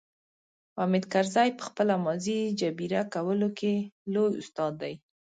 حامد کرزي په خپله ماضي جبيره کولو کې لوی استاد دی.